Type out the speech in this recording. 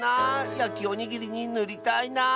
やきおにぎりにぬりたいなあ。